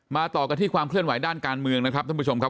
ต่อกันที่ความเคลื่อนไหวด้านการเมืองนะครับท่านผู้ชมครับ